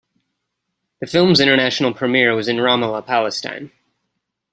The film's international premiere was in Ramallah, Palestine.